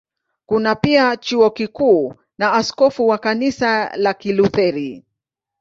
Kuna pia Chuo Kikuu na askofu wa Kanisa la Kilutheri.